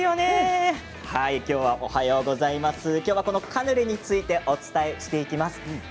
今日はカヌレについてお伝えしていきます。